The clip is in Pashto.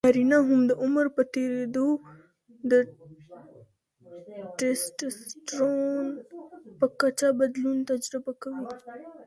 نارینه هم د عمر په تېریدو د ټیسټسټرون په کچه بدلون تجربه کوي.